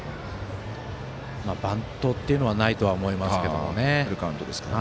バントっていうのはないと思いますけどね。